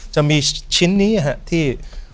จะมีชิ้นนี้ที่